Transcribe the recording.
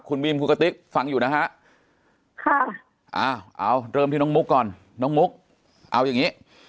คุณบีมคุณกะติ๊กฟังอยู่นะฮะค่ะเอาเริ่มที่น้องมุกก่อนน้องมุกเอาอย่างนี้